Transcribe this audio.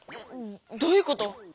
どういうこと？